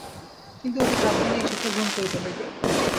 কিন্তু অতি সাবধানে এই শিক্ষা গ্রহণ করিতে হইবে।